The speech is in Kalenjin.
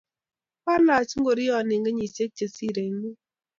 kwalach ngorioni eng kenyishek che sirei mut